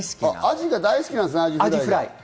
アジが大好きなんですね。